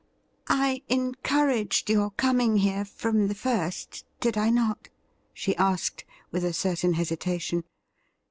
' I encouraged your coming here from the first, did I not ?' she asked, with a certain hesitation.